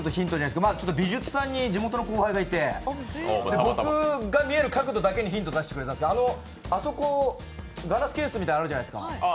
美術さんに地元の後輩がいて僕が見える角度だけにヒント出してくれたんですけどあそこ、ガラスケースみたいなのあるじゃないですか。